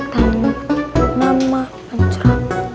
namanya nama yang cerah